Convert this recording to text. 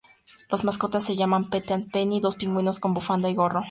Las mascotas se llaman "Pete and Penny", dos pingüinos con bufanda y gorro.